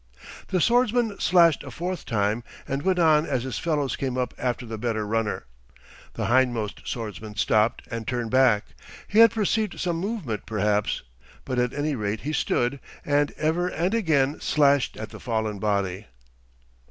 The swordsman slashed a fourth time and went on as his fellows came up after the better runner. The hindmost swordsman stopped and turned back. He had perceived some movement perhaps; but at any rate he stood, and ever and again slashed at the fallen body.